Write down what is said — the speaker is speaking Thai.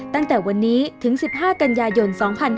ตั้งแต่วันนี้ถึง๑๕กันยายน๒๕๕๙